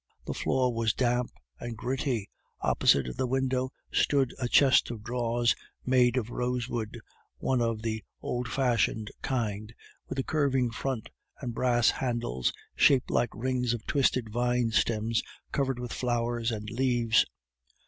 The floor was damp and gritty. Opposite the window stood a chest of drawers made of rosewood, one of the old fashioned kind with a curving front and brass handles, shaped like rings of twisted vine stems covered with flowers and leaves.